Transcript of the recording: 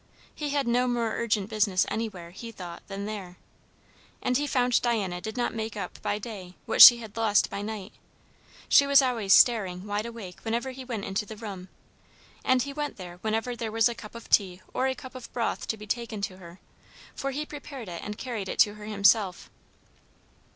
He had no more urgent business anywhere, he thought, than there. And he found Diana did not make up by day what she had lost by night; she was always staring wide awake whenever he went into the room; and he went whenever there was a cup of tea or a cup of broth to be taken to her, for he prepared it and carried it to her himself.